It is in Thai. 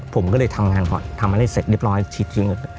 ผมก็เลยทำงานค่ะทำมาเลยเสร็จเรียบร้อยชิดคือเงิน